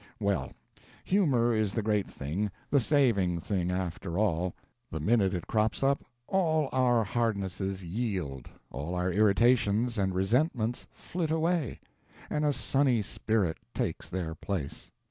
Well, humor is the great thing, the saving thing, after all. The minute it crops up, all our hardnesses yield, all our irritations and resentments flit away, and a sunny spirit takes their place.